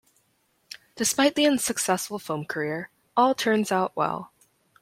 Despite the unsuccessful film career, all turns out well.